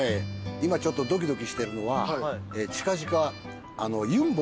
今ちょっとドキドキしてるのは近々。